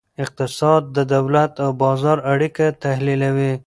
اقتصاد د دولت او بازار اړیکه تحلیلوي.